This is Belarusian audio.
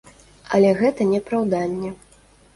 Але гэта не апраўданне.